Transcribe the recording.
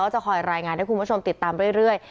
จะคอยรายงานให้คุณผู้ชมติดตามเรื่อย